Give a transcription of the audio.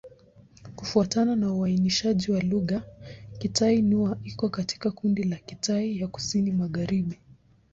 Kufuatana na uainishaji wa lugha, Kitai-Nüa iko katika kundi la Kitai ya Kusini-Magharibi.